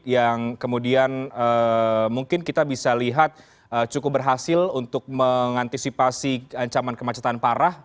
yang kemudian mungkin kita bisa lihat cukup berhasil untuk mengantisipasi ancaman kemacetan parah